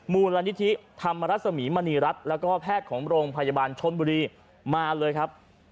มูลนิธิธรรมรสมีมณีรัฐแล้วก็แพทย์ของโรงพยาบาลชนบุรีมาเลยครับ